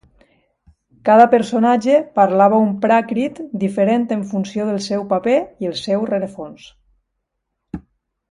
Cada personatge parlava un pràcrit diferent en funció del seu paper i el seu rerefons.